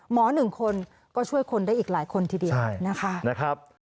หนึ่งคนก็ช่วยคนได้อีกหลายคนทีเดียวนะคะ